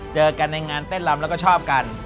เจอกันในงานเต้นลำแล้วก็ชอบกัน